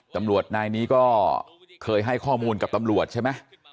ตำรวจนายนี้ก็เคยให้ข้อมูลกับตำรวจใช่ไหม